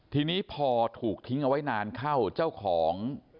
ทีนี้พอถูกทิ้งเอาไว้นานเข้าเจ้าของ